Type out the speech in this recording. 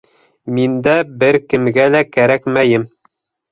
Мин дә бер кемгә лә кәрәкмәйем.